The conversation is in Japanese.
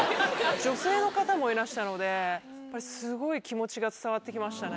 女性の方もいらしたのですごい気持ちが伝わって来ましたね。